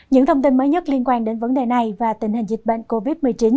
những thông tin mới nhất liên quan đến vấn đề này và tình hình dịch bệnh covid một mươi chín